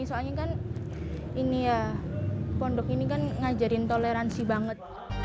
soalnya kan pondok ini ngajarin toleransi banget